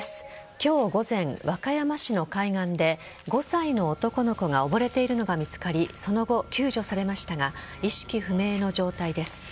今日午前、和歌山市の海岸で５歳の男の子が溺れているのが見つかりその後、救助されましたが意識不明の状態です。